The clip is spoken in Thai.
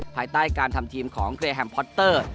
ภายใต้การทำทีมของเคลียร์แฮมพอตเตอร์